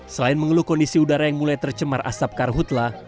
selain mengeluh kondisi udara yang mulai tercemar asap karhutlah